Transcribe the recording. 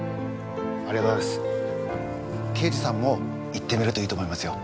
けいじさんも行ってみるといいと思いますよ。